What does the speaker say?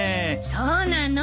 そうなの。